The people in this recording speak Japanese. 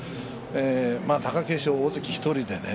貴景勝、大関１人でね